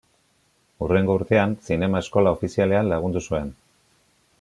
Hurrengo urtean Zinema Eskola Ofizialean lagundu zuen.